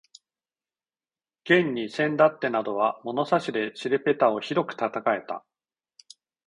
現にせんだってなどは物差しで尻ぺたをひどく叩かれた